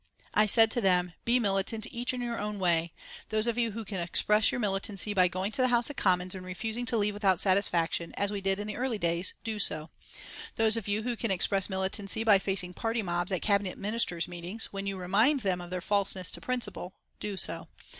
I said to them: "Be militant each in your own way. Those of you who can express your militancy by going to the House of Commons and refusing to leave without satisfaction, as we did in the early days do so. Those of you who can express militancy by facing party mobs at Cabinet Ministers' meetings, when you remind them of their falseness to principle do so.